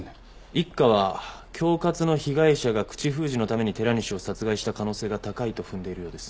一課は恐喝の被害者が口封じのために寺西を殺害した可能性が高いと踏んでいるようです。